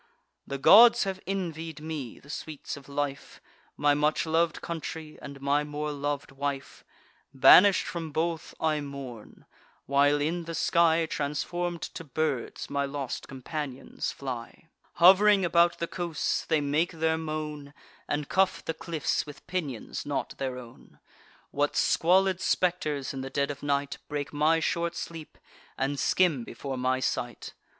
The gods have envied me the sweets of life, My much lov'd country, and my more lov'd wife: Banish'd from both, I mourn; while in the sky, Transform'd to birds, my lost companions fly: Hov'ring about the coasts, they make their moan, And cuff the cliffs with pinions not their own. What squalid spectres, in the dead of night, Break my short sleep, and skim before my sight!